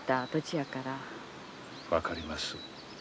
分かります。